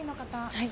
はい。